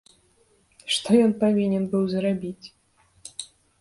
Што ён павінен быў зрабіць?